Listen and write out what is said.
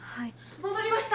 戻りました！